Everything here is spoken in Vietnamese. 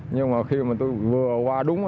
nhưng mà khi mà tôi vừa qua đúng